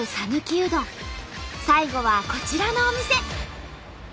最後はこちらのお店。